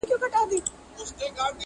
سرې ـ